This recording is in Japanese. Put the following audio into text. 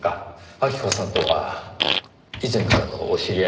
晃子さんとは以前からのお知り合いでしょうか？